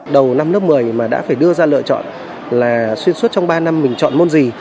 đầu năm lớp một mươi mà đã phải đưa ra lựa chọn là xuyên suốt trong ba năm mình chọn môn gì